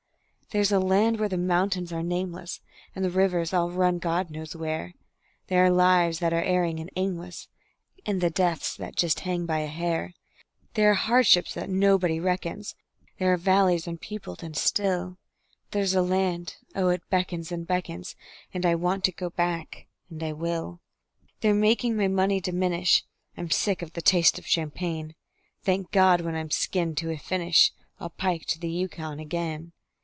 There's a land where the mountains are nameless, And the rivers all run God knows where; There are lives that are erring and aimless, And deaths that just hang by a hair; There are hardships that nobody reckons; There are valleys unpeopled and still; There's a land oh, it beckons and beckons, And I want to go back and I will. They're making my money diminish; I'm sick of the taste of champagne. Thank God! when I'm skinned to a finish I'll pike to the Yukon again.